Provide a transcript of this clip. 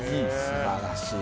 素晴らしい